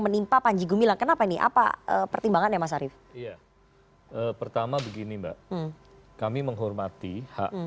menimpa panji gumilang kenapa ini apa pertimbangannya mas arief ya pertama begini mbak kami menghormati hak